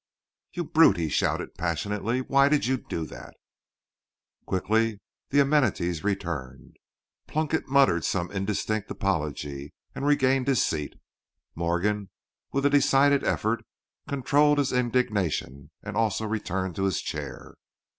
"You—brute!" he shouted, passionately; "why did you do that?" Quickly the amenities returned, Plunkett muttered some indistinct apology and regained his seat. Morgan with a decided effort controlled his indignation and also returned to his chair.